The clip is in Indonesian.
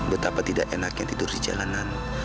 betapa tidak enaknya tidur di jalanan